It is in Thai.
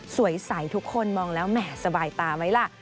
สวยใสทุกคนมองแล้วแหมสบายตาไหมล่ะ